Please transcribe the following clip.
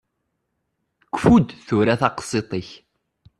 Kfu-d tura taqsiṭ-ik!